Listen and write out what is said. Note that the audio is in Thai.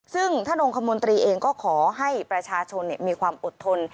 ซึ่งท่านองค์คมนตรีเองก็ขอให้ประชาชนมีความอดทน